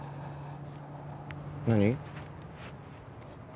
何？